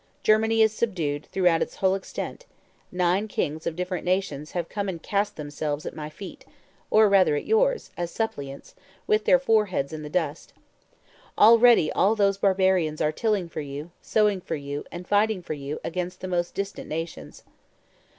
Germany is subdued throughout its whole extent; nine kings of different nations have come and cast themselves at my feet, or rather at yours, as suppliants, with their foreheads in the dust. Already all those barbarians are tilling for you, sowing for you, and fighting for you against the most distant nations.